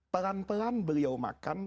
pelan pelan beliau makan